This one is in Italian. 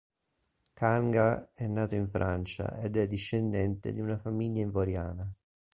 Kanga è nato in Francia ed è discendente di una famiglia ivoriana.